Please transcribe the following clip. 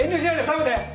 食べて。